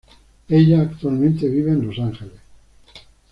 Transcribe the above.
Ella actualmente vive en Los Ángeles.